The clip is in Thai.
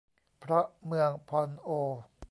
เพราะเมืองพอลโอ